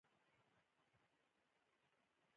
یوه ټیکسي ته مې لاس ونیو خو پوی شو چې زه مسلمان یم.